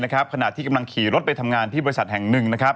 ขณะที่กำลังขี่รถไปทำงานที่บริษัทแห่งหนึ่งนะครับ